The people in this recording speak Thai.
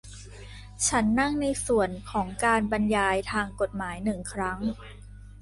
ฉันนั่งในส่วนของการบรรยายทางกฎหมายหนึ่งครั้ง